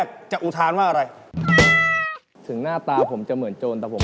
การเลนส์นะครับ